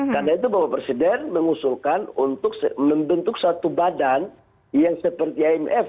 karena itu bapak presiden mengusulkan untuk membentuk satu badan yang seperti imf